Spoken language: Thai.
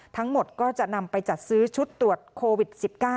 ทั้งหมดก็จะนำไปจัดซื้อชุดตรวจโควิด๑๙